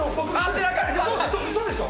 嘘でしょ？